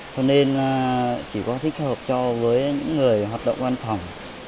cho nên chỉ có thích hợp cho với những người hoạt động an toàn